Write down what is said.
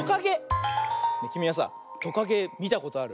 きみはさトカゲみたことある？